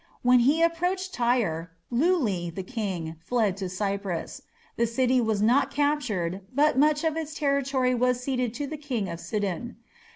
When he approached Tyre, Luli, the king, fled to Cyprus. The city was not captured, but much of its territory was ceded to the king of Sidon.